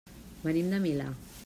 Venim del Milà.